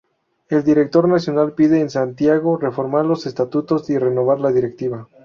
El Directorio Nacional pide, en Santiago, reformar los estatutos y renovar la directiva.